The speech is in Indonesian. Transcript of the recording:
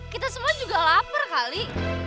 kita semua juga lapar kali